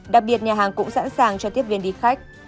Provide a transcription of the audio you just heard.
đặc biệt nhà hàng cũng sẵn sàng cho tiếp viên đi khách